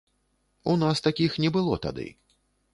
У нас такіх не было тады.